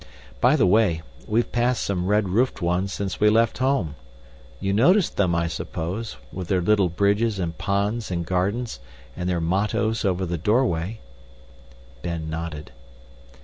By the way, we've passed some red roofed ones since we left home. You noticed them, I suppose, with their little bridges and ponds and gardens, and their mottoes over the doorway." Ben nodded.